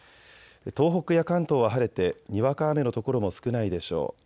東北や関東は晴れてにわか雨の所も少ないでしょう。